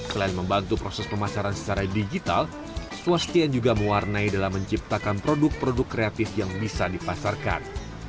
selain membantu proses pemasaran secara digital swastian juga mewarnai dalam menciptakan produk produk kreatif yang bisa dipasarkan